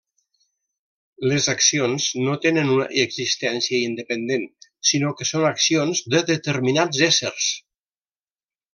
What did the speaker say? Les accions no tenen una existència independent, sinó que són accions de determinats éssers.